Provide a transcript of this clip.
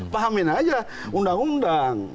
pahamin aja undang undang